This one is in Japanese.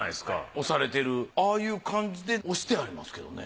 押されてるああいう感じで押してありますけどね。